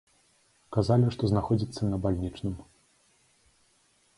Казалі, што знаходзіцца на бальнічным.